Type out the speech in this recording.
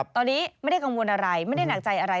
ตอนนี้ไม่ได้กังวลอะไรไม่ได้หนักใจอะไร